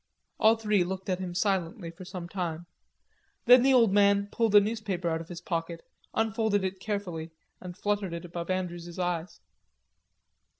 All three looked at him silently for some time. Then the old man pulled a newspaper out of his pocket, unfolded it carefully, and fluttered it above Andrews's eyes.